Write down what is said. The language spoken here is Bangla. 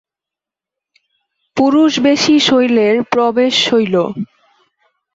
পুরুষবেশী শৈলের প্রবেশ শৈল।